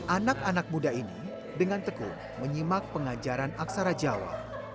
anak anak muda ini dengan tekun menyimak pengajaran aksara jawa